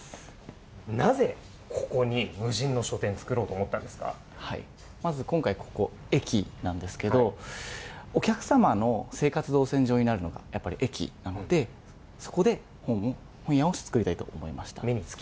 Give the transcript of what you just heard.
なぜここに無人の書店、作ろうとまず今回、ここ駅なんですけど、お客様の生活動線上になるのがやっぱり駅なので、そこで本屋を作りたいと思いました。